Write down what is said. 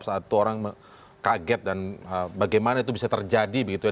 satu orang kaget dan bagaimana itu bisa terjadi begitu ya